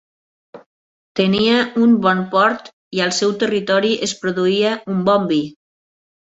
Tenia un bon port i al seu territori es produïa un bon vi.